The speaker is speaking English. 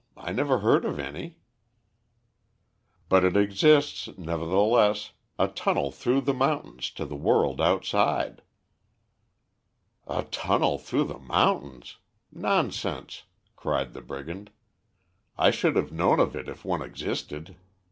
I never heard of any." "But it exists, nevertheless; a tunnel through the mountains to the world outside." "A tunnel through the mountains? Nonsense!" cried the brigand. "I should have known of it if one existed.